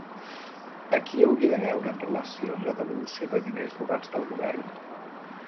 A qui hauria de veure en relació amb la devolució de diners robats del govern?